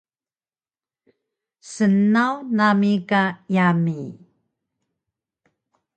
Snaw nami ka yami